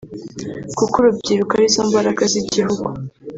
kuko urubyiruko ari zo mbaraga z’igihugu